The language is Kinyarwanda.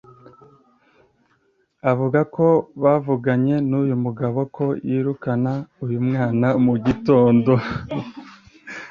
avuga ko bavuganye n’uyu mugabo ko yirukana uyu mwana mu gitondo